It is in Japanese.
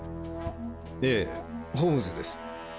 ええホームズです。